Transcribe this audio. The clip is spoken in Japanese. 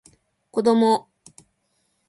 子供